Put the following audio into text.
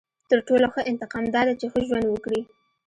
• تر ټولو ښه انتقام دا دی چې ښه ژوند وکړې.